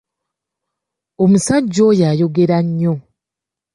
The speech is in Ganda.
Omusajja oyo ayogera nnyo.